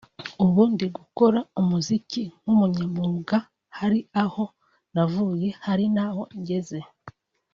ubu ndi gukora umuziki nk’umunyamwuga hari aho navuye hari naho ngeze